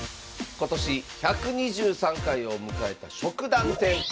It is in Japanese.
今年１２３回を迎えた職団戦。